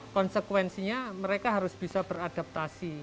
konsekuensinya mereka harus bisa beradaptasi